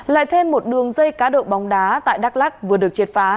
lại thêm một đường dây cá độ bóng đá tại đắk lắc vừa được triệt phá